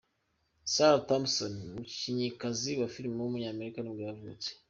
Sarah Thompson, umukinnyikazi wa filime w’umunyamerika nibwo yavutse.